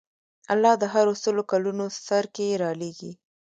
الله د هرو سلو کلونو سر کې رالېږي.